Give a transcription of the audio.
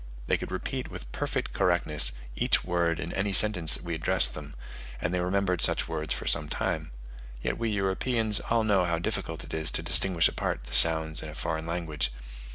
They could repeat with perfect correctness each word in any sentence we addressed them, and they remembered such words for some time. Yet we Europeans all know how difficult it is to distinguish apart the sounds in a foreign language.